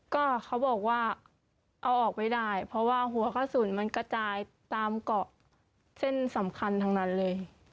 ก็เขาบอกว่าเอาออกไม่ได้เพราะว่าหัวกระสุนมันกระจายตามเกาะเส้นสำคัญทั้งนั้นเลย